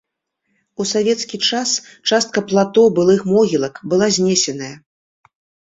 У савецкі час частка плато былых могілак была знесеная.